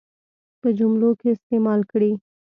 په جملو کې استعمال کړي.